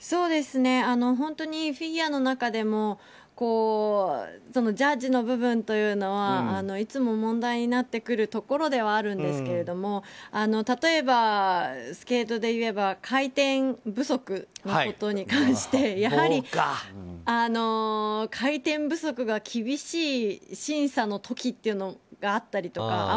本当にフィギュアの中でもジャッジの部分というのはいつも問題になってくるところではあるんですけれども例えば、スケートでいえば回転不足に関して回転不足が厳しい審査の時というのがあったりとか。